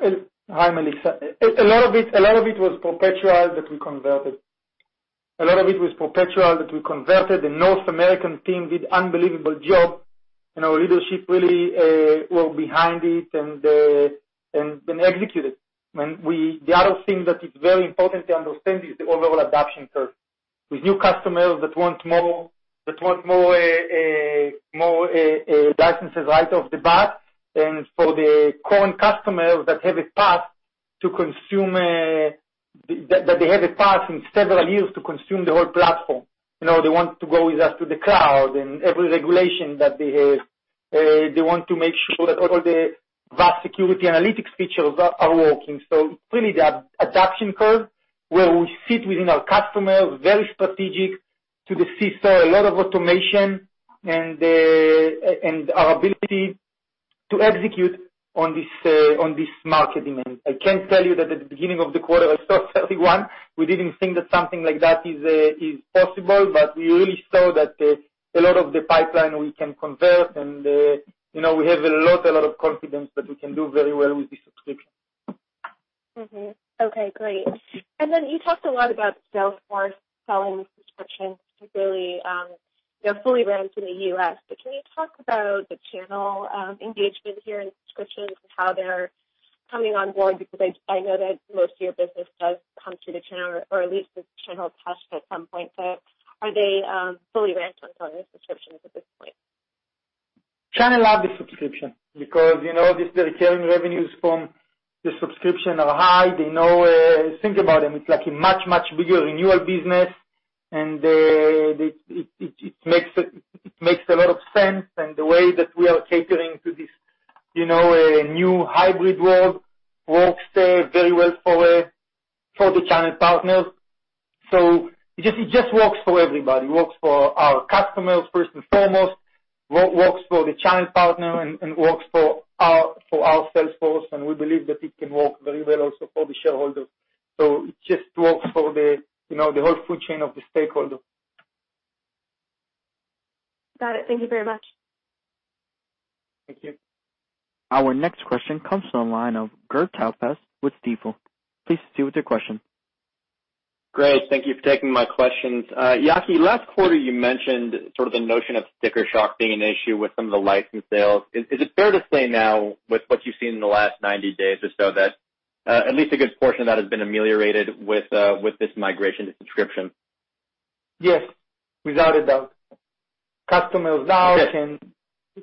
Hi, Melissa. A lot of it was perpetual that we converted. The North American team did unbelievable job. Our leadership really were behind it and executed. The other thing that is very important to understand is the overall adoption curve. With new customers that want more licenses right off the bat, for the current customers that they have a path from several years to consume the whole platform. They want to go with us to the cloud and every regulation that they have, they want to make sure that all the vast security analytics features are working. Really, the adoption curve, where we sit within our customers, very strategic to the CISO, a lot of automation, and our ability to execute on this market demand. I can tell you that at the beginning of the quarter, I saw 31%. We didn't think that something like that is possible. We really saw that a lot of the pipeline we can convert. We have a lot of confidence that we can do very well with the subscription. Okay, great. You talked a lot about Salesforce selling subscriptions to really they're fully ramped in the U.S. Can you talk about the channel engagement here in subscriptions and how they're coming on board? I know that most of your business does come through the channel, or at least the channel touched at some point. Are they fully ramped on your subscriptions at this point? Channel love the subscription because these recurring revenues from the subscription are high. Think about them, it's like a much, much bigger renewal business, and it makes a lot of sense. The way that we are catering to this new hybrid world works very well for the channel partners. It just works for everybody. Works for our customers, first and foremost, works for the channel partner. Works for our Salesforce. We believe that it can work very well also for the shareholders. It just works for the whole food chain of the stakeholder. Got it. Thank you very much. Thank you. Our next question comes from the line of Gur Talpaz with Stifel. Please proceed with your question. Great. Thank you for taking my questions. Yaki, last quarter, you mentioned sort of the notion of sticker shock being an issue with some of the license sales. Is it fair to say now with what you've seen in the last 90 days or so that, at least a good portion of that has been ameliorated with this migration to subscription? Yes, without a doubt. Customers now. Okay.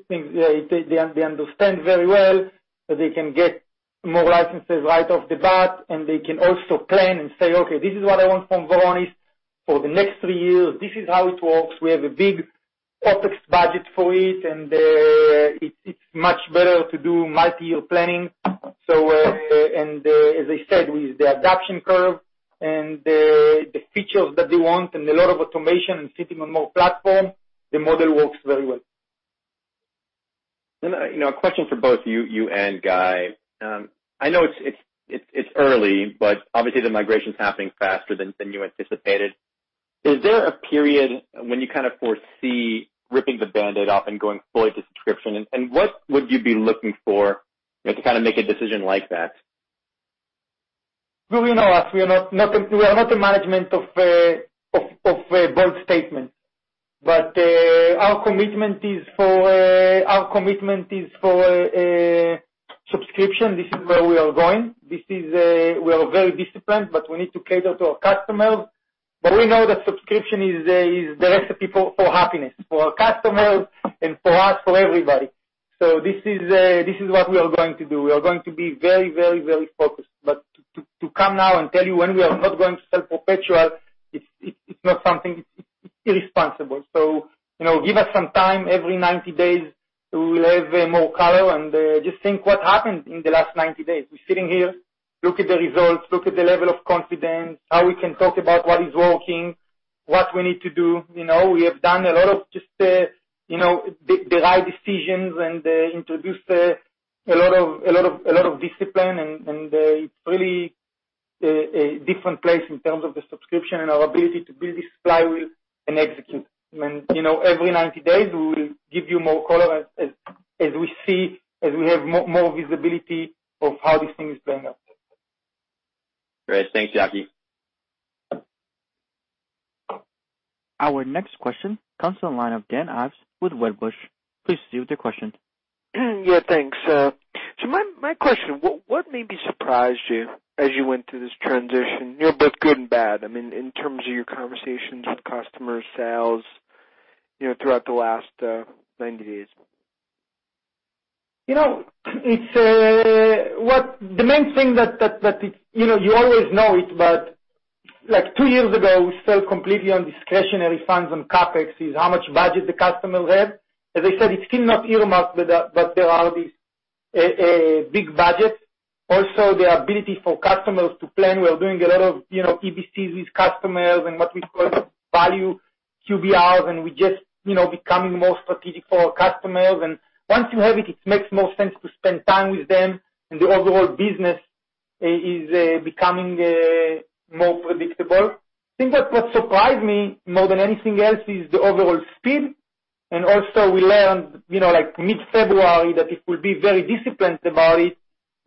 They understand very well that they can get more licenses right off the bat, and they can also plan and say, okay, this is what I want from Varonis for the next three years. This is how it works. We have a big OpEx budget for it, and it's much better to do multi-year planning. As I said, with the adoption curve and the features that they want and a lot of automation and sitting on more platform, the model works very well. A question for both you and Guy. I know it's early, but obviously, the migration's happening faster than you anticipated. Is there a period when you kind of foresee ripping the Band-Aid off and going fully to subscription, and what would you be looking for to kind of make a decision like that? Well, you know us, we are not a management of bold statements, but our commitment is for subscription. This is where we are going. We are very disciplined, but we need to cater to our customers. We know that subscription is the recipe for happiness for our customers and for us, for everybody. This is what we are going to do. We are going to be very focused. To come now and tell you when we are not going to sell perpetual, it's irresponsible. Give us some time, every 90 days, we will have more color. Just think what happened in the last 90 days. We're sitting here, look at the results, look at the level of confidence, how we can talk about what is working, what we need to do. We have done a lot of just the right decisions and introduced a lot of discipline, and it's really a different place in terms of the subscription and our ability to build this flywheel and execute. Every 90 days, we will give you more color as we have more visibility of how this thing is playing out. Great. Thanks, Yaki. Our next question comes from the line of Dan Ives with Wedbush. Please proceed with your question. Yeah. Thanks. My question, what maybe surprised you as you went through this transition? Both good and bad. I mean, in terms of your conversations with customers, sales, throughout the last 90 days. The main thing that you always know it, but two years ago, we sell completely on discretionary funds on CapEx, is how much budget the customers have. As I said, it's still not earmarked, but there are these big budgets. Also, the ability for customers to plan. We are doing a lot of EBCs with customers and what we call value QBRs, we just becoming more strategic for our customers. Once you have it makes more sense to spend time with them, the overall business is becoming more predictable. I think that what surprised me more than anything else is the overall speed, also we learned, like mid-February, that it will be very disciplined about it.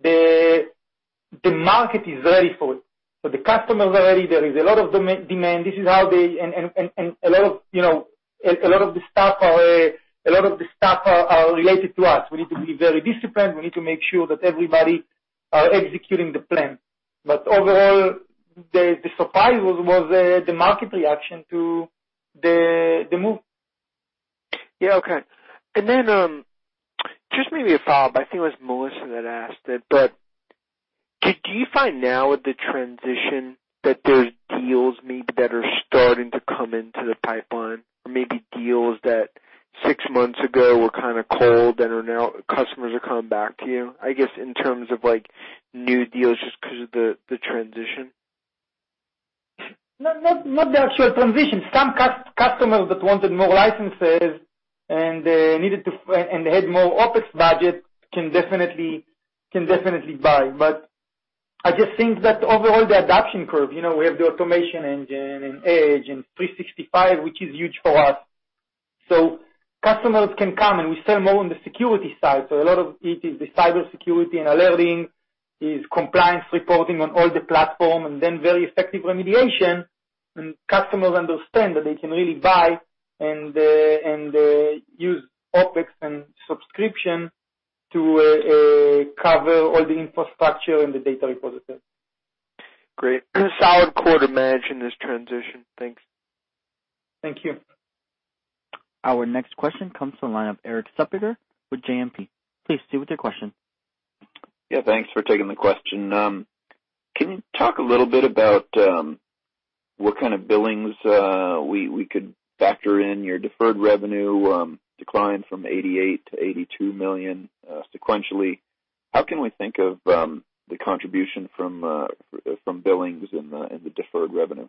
The market is ready for it. The customers are ready. There is a lot of demand. A lot of the staff are related to us. We need to be very disciplined. We need to make sure that everybody are executing the plan. Overall, the surprise was the market reaction to the move. Yeah. Okay. Then, just maybe a follow-up, I think it was Melissa that asked it, do you find now with the transition that there's deals maybe that are starting to come into the pipeline or maybe deals that six months ago were kind of cold and are now customers are coming back to you? I guess in terms of new deals just because of the transition. Not the actual transition. Some customers that wanted more licenses and had more OpEx budget can definitely buy. I just think that overall, the adoption curve, we have the Automation Engine and Edge and Office 365, which is huge for us. Customers can come, we sell more on the security side. A lot of it is the cybersecurity and alerting, is compliance reporting on all the platform, then very effective remediation. Customers understand that they can really buy and use OpEx and subscription to cover all the infrastructure and the data repository. Great. Solid quarter managing this transition. Thanks. Thank you. Our next question comes from the line of Erik Suppiger with JMP. Please, proceed with your question. Thanks for taking the question. Can you talk a little bit about what kind of billings we could factor in your deferred revenue decline from $88 million to $82 million sequentially? How can we think of the contribution from billings and the deferred revenue?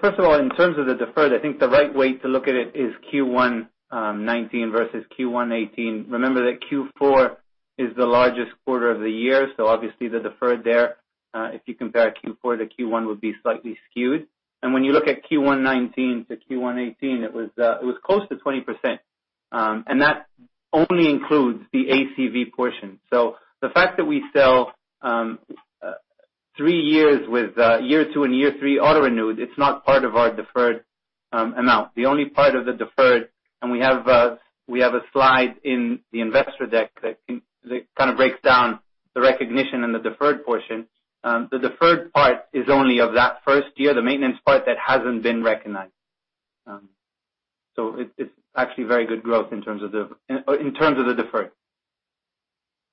First of all, in terms of the deferred, I think the right way to look at it is Q1 2019 versus Q1 2018. Remember that Q4 is the largest quarter of the year, obviously the deferred there, if you compare Q4 to Q1, would be slightly skewed. When you look at Q1 2019 to Q1 2018, it was close to 20%, and that only includes the ACV portion. The fact that we sell three years with year two and year three auto-renewed, it's not part of our deferred amount. The only part of the deferred, and we have a slide in the investor deck that kind of breaks down the recognition and the deferred portion. The deferred part is only of that first year, the maintenance part that hasn't been recognized. It's actually very good growth in terms of the deferred.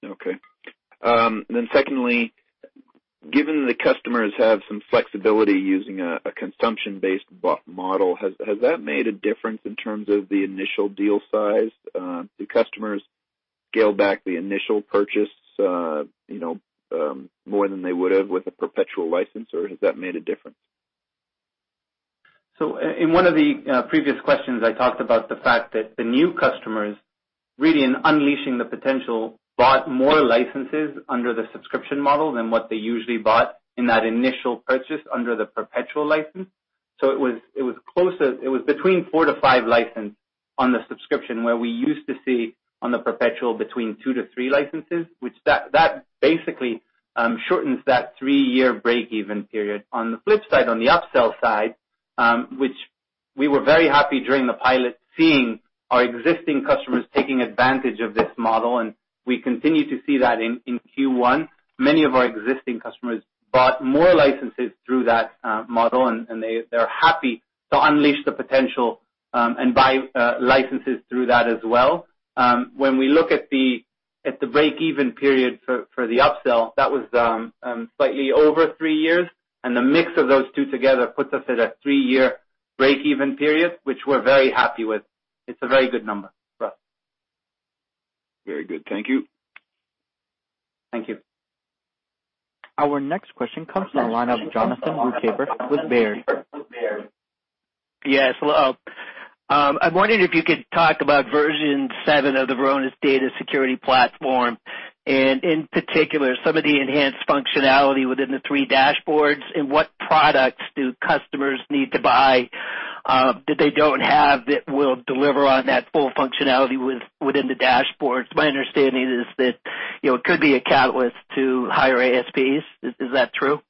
Okay. Secondly, given the customers have some flexibility using a consumption-based model, has that made a difference in terms of the initial deal size? Do customers scale back the initial purchase more than they would have with a perpetual license, or has that made a difference? In one of the previous questions, I talked about the fact that the new customers, really in unleashing the potential, bought more licenses under the subscription model than what they usually bought in that initial purchase under the perpetual license. It was between four to five licenses on the subscription, where we used to see on the perpetual between two to three licenses, which that basically shortens that three-year break-even period. On the flip side, on the upsell side, which we were very happy during the pilot seeing our existing customers taking advantage of this model, and we continue to see that in Q1. Many of our existing customers bought more licenses through that model, and they're happy to unleash the potential and buy licenses through that as well. When we look at the break-even period for the upsell, that was slightly over three years, and the mix of those two together puts us at a three-year break-even period, which we're very happy with. It's a very good number for us. Very good. Thank you. Thank you. Our next question comes from the line of Jonathan Ruykhaver with Baird. Yes. Hello. I'm wondering if you could talk about version seven of the Varonis Data Security Platform, and in particular, some of the enhanced functionality within the three dashboards and what products do customers need to buy that they don't have that will deliver on that full functionality within the dashboards. My understanding is that it could be a catalyst to higher ASPs. Is that true?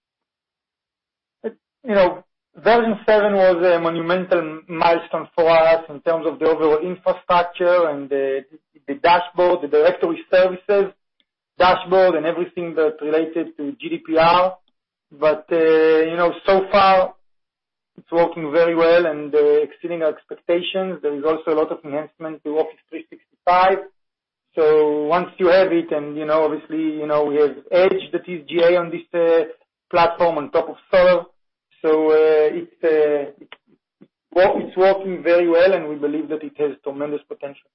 Version seven was a monumental milestone for us in terms of the overall infrastructure and the dashboard, the directory services dashboard, and everything that's related to GDPR. So far, it's working very well and exceeding our expectations. There is also a lot of enhancement to Office 365. Once you have it, and obviously, we have Edge that is GA on this platform on top of SOAR. It's working very well, and we believe that it has tremendous potential.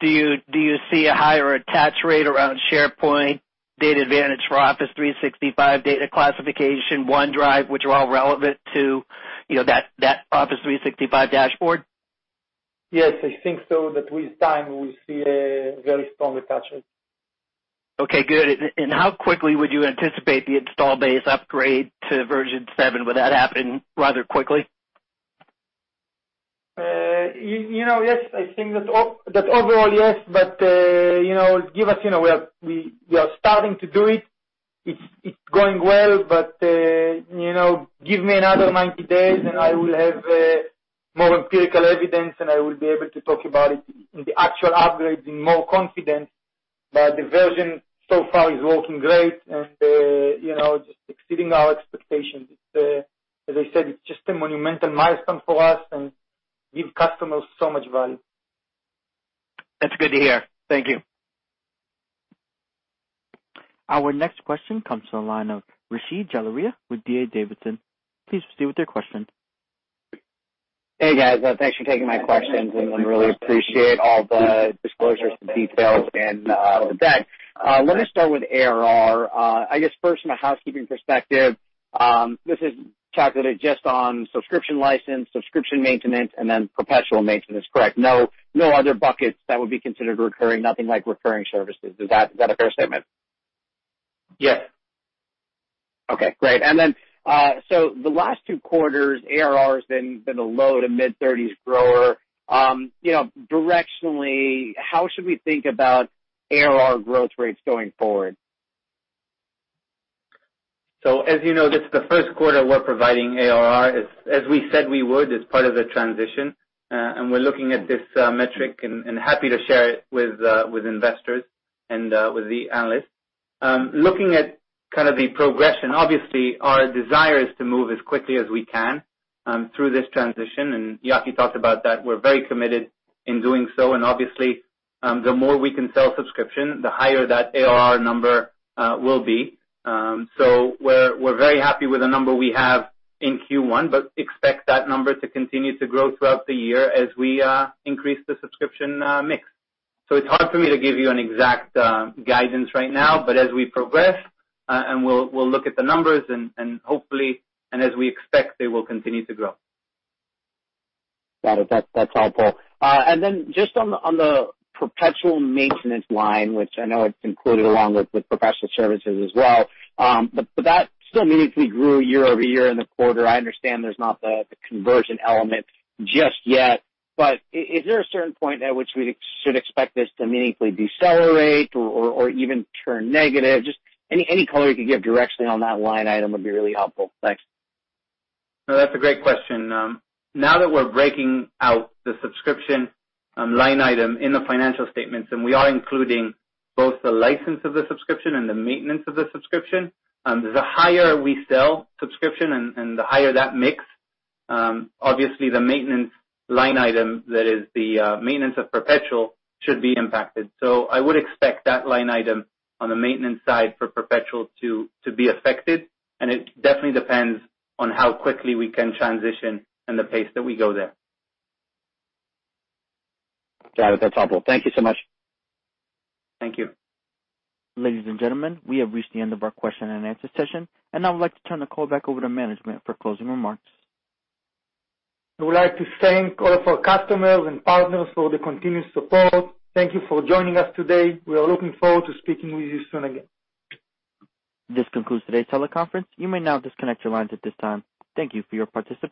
Do you see a higher attach rate around SharePoint, DatAdvantage for Office 365, Data Classification, OneDrive, which are all relevant to that Office 365 dashboard? Yes, I think so that with time, we will see a very strong attach rate. Okay, good. How quickly would you anticipate the install base upgrade to version seven? Would that happen rather quickly? Yes, I think that overall, yes. We are starting to do it. It's going well, give me another 90 days, and I will have more empirical evidence, and I will be able to talk about it in the actual upgrades with more confidence. The version so far is working great and just exceeding our expectations. As I said, it's just a monumental milestone for us and gives customers so much value. That's good to hear. Thank you. Our next question comes from the line of Rishi Jaluria with D.A. Davidson. Please proceed with your question. Hey, guys. Thanks for taking my questions. Really appreciate all the disclosures and details in the deck. Let me start with ARR. I guess, first from a housekeeping perspective, this is calculated just on subscription license, subscription maintenance, then perpetual maintenance, correct? No other buckets that would be considered recurring, nothing like recurring services. Is that a fair statement? Yes. Okay, great. The last two quarters, ARR has been a low to mid-thirties grower. Directionally, how should we think about ARR growth rates going forward? As you know, this is the first quarter we're providing ARR, as we said we would as part of the transition. We're looking at this metric and happy to share it with investors and with the analysts. Looking at kind of the progression, obviously, our desire is to move as quickly as we can through this transition, and Yaki talked about that. We're very committed in doing so. Obviously, the more we can sell subscription, the higher that ARR number will be. We're very happy with the number we have in Q1, but expect that number to continue to grow throughout the year as we increase the subscription mix. It's hard for me to give you an exact guidance right now, but as we progress, we'll look at the numbers, and hopefully, as we expect, they will continue to grow. Got it. That's helpful. Just on the perpetual maintenance line, which I know it's included along with professional services as well, that still meaningfully grew year-over-year in the quarter. I understand there's not the conversion element just yet, but is there a certain point at which we should expect this to meaningfully decelerate or even turn negative? Just any color you could give directionally on that line item would be really helpful. Thanks. No, that's a great question. Now that we're breaking out the subscription line item in the financial statements, we are including both the license of the subscription and the maintenance of the subscription, the higher we sell subscription and the higher that mix, obviously, the maintenance line item, that is, the maintenance of perpetual, should be impacted. I would expect that line item on the maintenance side for perpetual to be affected, and it definitely depends on how quickly we can transition and the pace that we go there. Got it. That's helpful. Thank you so much. Thank you. Ladies and gentlemen, we have reached the end of our question-and-answer session. I would like to turn the call back over to management for closing remarks. We would like to thank all of our customers and partners for the continued support. Thank you for joining us today. We are looking forward to speaking with you soon again. This concludes today's teleconference. You may now disconnect your lines at this time. Thank you for your participation.